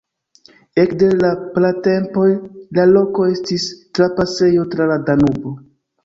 Ekde la pratempoj la loko estis trapasejo tra la Danubo.